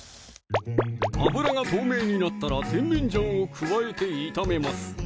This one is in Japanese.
油が透明になったら甜麺醤を加えて炒めます